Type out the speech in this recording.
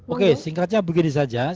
oke singkatnya begini saja